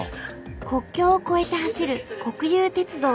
国境を越えて走る国有鉄道。